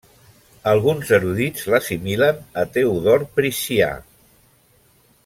Alguns erudits l'assimilen a Teodor Priscià.